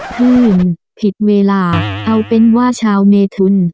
คืนผิดเวลาเอาเป็นว่าชาวเมทุน